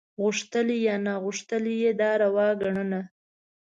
غوښتلي یا ناغوښتلي یې دا روا ګڼله.